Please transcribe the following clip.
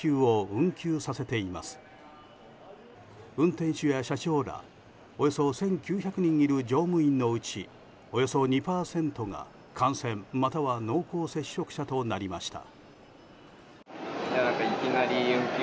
運転手や車掌らおよそ１９００人いる乗務員のうちおよそ２％が感染または濃厚接触者となりました。